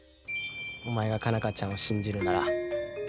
お前が佳奈花ちゃんを信じるなら俺も信じる。